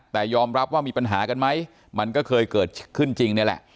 แต่ยอมรับว่ามีปัญหากันไหมมันก็เคยเกิดขึ้นจริงนี่แหละ